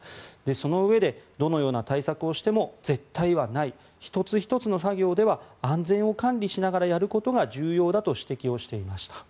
そのうえでどのような対策をしても絶対はない１つ１つの作業では安全を管理しながらやることが重要だと指摘していました。